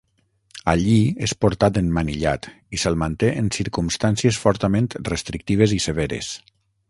Allí és portat emmanillat i se'l manté en circumstàncies fortament restrictives i severes.